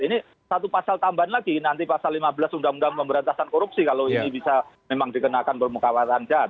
ini satu pasal tambahan lagi nanti pasal lima belas undang undang pemberantasan korupsi kalau ini bisa memang dikenakan bermukaan jahat